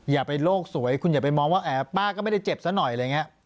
อย่าไปโลกสวยคุณอย่าไปมองว่าป้าก็ไม่ได้เจ็บซะหน่อยอะไรอย่างนี้